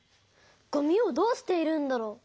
ごみをどうしているんだろう？